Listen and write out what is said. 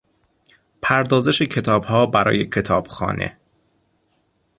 پردازش کتابها برای کتابخانه